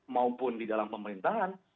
maupun di dalam pemerintahan